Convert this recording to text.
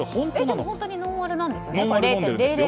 本当にノンアルなんですよね。